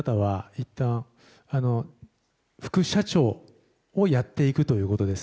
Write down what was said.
いったん副社長をやっていくということです。